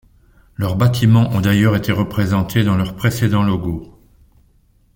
Leurs bâtiments ont d'ailleurs été représentés dans leur précédents logos.